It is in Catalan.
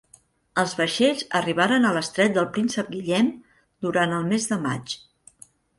Els vaixells arribaren a l'estret del Príncep Guillem durant el mes de maig.